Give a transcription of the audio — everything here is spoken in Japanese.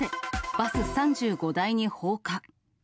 バス３５台に放火。